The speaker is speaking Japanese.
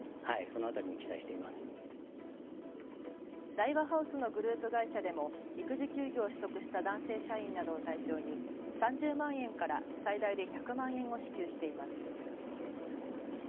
大和ハウスのグループ会社でも育児休業を取得した男性社員などを対象に３０万円から最大で１００万円を支給しています。